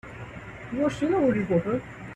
You're still a good reporter.